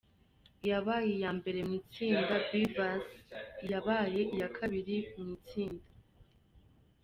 Iyabaye iya mbere mu itsinda B Vs Iyabaye iya kabiri mu itsinda A.